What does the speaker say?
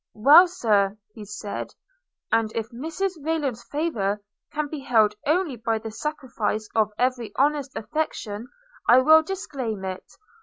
'Well, Sir,' said he, 'and if Mrs Rayland's favour can be held only by the sacrifice of every honest affection, I will disclaim it.